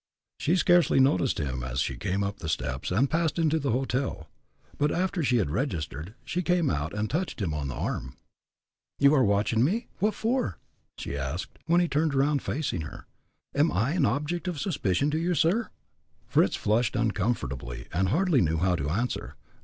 She scarcely noticed him as she came up the steps and passed into the hotel; but, after she had registered, she came out, and touched him on the arm. "You are watching me what for?" she asked, when he turned around facing her. "Am I an object of suspicion to you, sir?" Fritz flushed uncomfortably, and hardly knew how to answer.